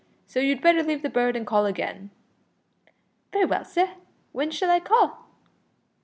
So you'd better leave the bird and call again." "Very well, sir, w'en shall I call?"